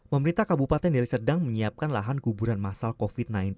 pemerintah kabupaten deli serdang menyiapkan lahan kuburan masal covid sembilan belas